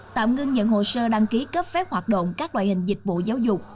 tạm ngưng nhận hồ sơ đăng ký cấp phép hoạt động các loại hình dịch vụ giáo dục